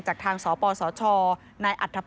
พบหน้าลูกแบบเป็นร่างไร้วิญญาณ